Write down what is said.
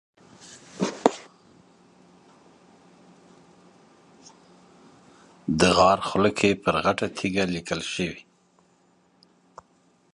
د غار خوله کې پر غټه تیږه لیکل شوي.